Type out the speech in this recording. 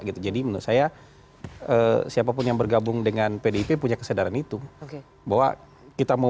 gitu jadi menurut saya siapapun yang bergabung dengan pdip punya kesadaran itu bahwa kita mau